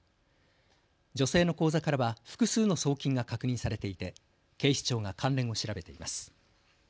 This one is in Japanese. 女性の口座からは複数の送金が確認されていて警視庁が関連を調べています。